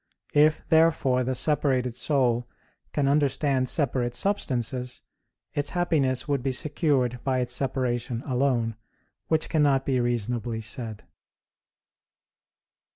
If, therefore, the separated soul can understand separate substances, its happiness would be secured by its separation alone; which cannot be reasonably be said.